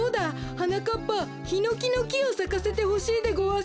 はなかっぱヒノキのきをさかせてほしいでごわす。